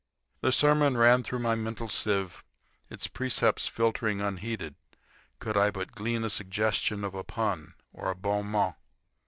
The sermon ran through my mental sieve, its precepts filtering unheeded, could I but glean a suggestion of a pun or a bon mot.